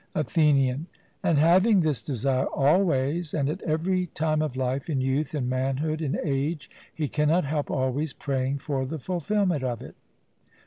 ATHENIAN: And having this desire always, and at every time of life, in youth, in manhood, in age, he cannot help always praying for the fulfilment of it.